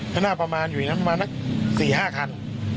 ขนาดประมาณอยู่อย่างนั้นประมาณนักสี่ห้าคัน